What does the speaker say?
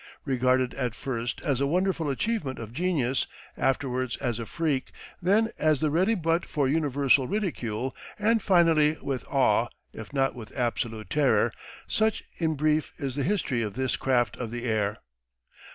Regarded at first as a wonderful achievement of genius, afterwards as a freak, then as the ready butt for universal ridicule, and finally with awe, if not with absolute terror such in brief is the history of this craft of the air.